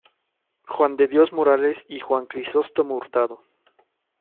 Juan de Dios Morales y Juan Crisóstomo Hurtado.